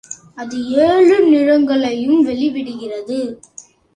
அது ஏழு நிறங்களையும் வெளிவிடுகிறது.